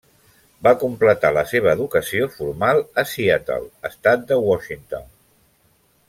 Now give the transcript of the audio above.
Va completar la seva educació formal a Seattle, estat de Washington.